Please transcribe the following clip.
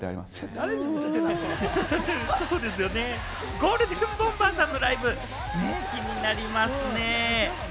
ゴールデンボンバーさんのライブ、気になりますね。